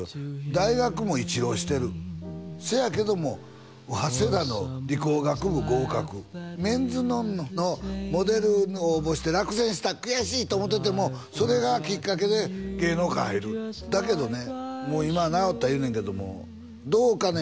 大学も１浪してるせやけども早稲田の理工学部合格「メンズノンノ」のモデルに応募して「落選した悔しい！」って思うててもそれがきっかけで芸能界入るだけどねもう今は直った言うねんけどもどうかね